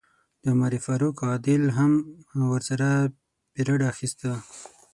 د عمر فاروق عادل هم ورسره پیرډ اخیسته.